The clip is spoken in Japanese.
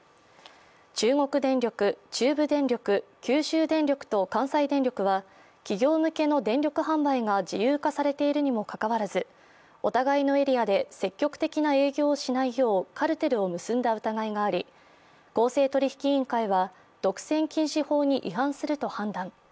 中国電力、中部電力、九州電力と関西電力は企業向けの電力販売が自由化されているにもかかわらずお互いのエリアで積極的な営業をしないようカルテルを結んだ疑いがあり公正取引委員会は独占禁止法に違反すると判断。